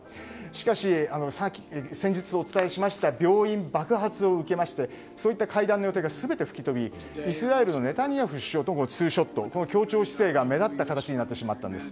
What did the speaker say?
しかし、先日お伝えしました病院爆発を受けましてそういった会談の予定が全て吹き飛び、イスラエルのネタニヤフ首相とのツーショットの協調姿勢が目立ってしまった形になったんです。